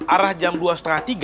arah jam dua setengah